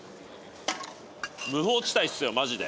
無法地帯っすよマジで。